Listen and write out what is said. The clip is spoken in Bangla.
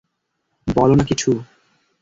বলো না কিছু!